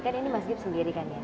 kan ini mas gip sendiri kan ya